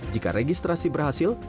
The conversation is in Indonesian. jika registrasi berhasil